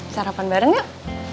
sarapan bareng yuk